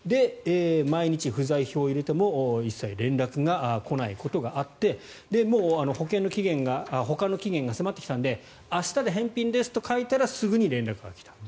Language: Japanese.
毎日、不在票を入れても一切連絡が来ないことがあってもう保管の期限が迫ってきたので明日で返品ですと書いたらすぐに連絡が来た。